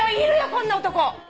こんな男！